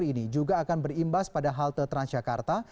pembangunan lrt cawang duku atas akan berimbas pada halte transjakarta